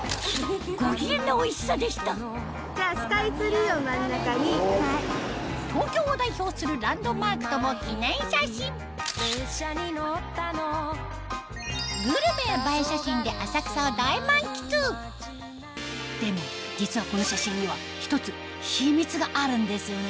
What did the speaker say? ご機嫌なおいしさでした東京を代表するランドマークとも記念写真グルメや映え写真ででも実はこの写真には１つ秘密があるんですよね